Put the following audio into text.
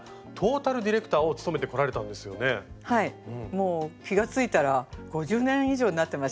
もう気が付いたら５０年以上になってました。